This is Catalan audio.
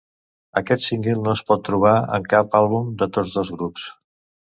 Aquest single no es pot trobar en cap àlbum de tots dos grups.